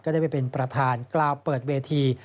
ได้ไปเป็นประธานกล่าวเปิดเวที